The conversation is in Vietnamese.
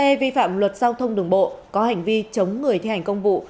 để vi phạm luật giao thông đường bộ có hành vi chống người thi hành công vụ